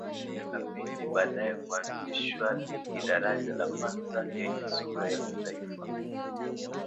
Miaka minne baadae kuanzishwa ligi daraja la kwanza yenye sura ya kitaifa